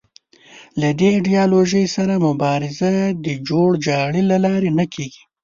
له دې ایدیالوژۍ سره مبارزه د جوړ جاړي له لارې نه کېږي